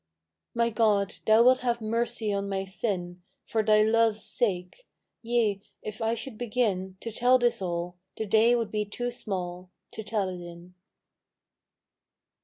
My God, Thou wilt have mercy on my sin For Thy Love's sake; yea, if I should begin To tell this all, the day would be too small To tell it in.